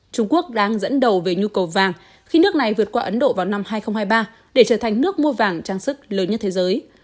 trung quốc đang dẫn đầu về nhu cầu vàng khi nước này vượt qua ấn độ vào năm hai nghìn hai mươi ba để trở thành nước mua vàng trang sức lớn nhất thế giới